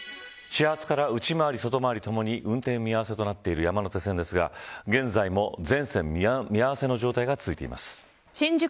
始発から内回り外回り共に運転見合わせとなっている山手線ですが現在も全線見合わせの状態が続いています。